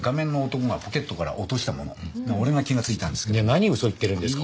何嘘言ってるんですか。